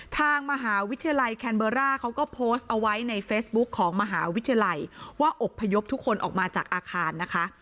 ทางมหาวิทยาลัยแคนเบอร์ร่าเขาก็โพสต์เอาไว้ในเฟซบุ๊คของมหาวิทยาลัยว่าอบพยพทุกคนออกมาจากอาคารนะคะ